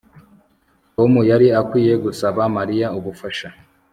Tom yari akwiye gusaba Mariya ubufasha